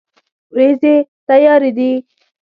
ورېځې تیارې دي